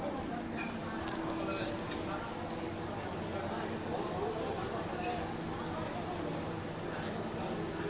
ขอบคุณครับขอบคุณครับขอบคุณครับ